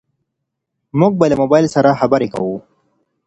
موږ به له موبايل سره خبرې کوو.